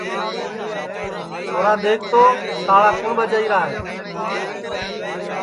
چھورا دَیکھ تو تاݪا کُوٹؔ ٻجائیرا ہے